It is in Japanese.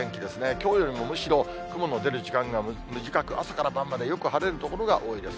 きょうよりもむしろ、雲の出る時間が短く、朝から晩までよく晴れる所が多いです。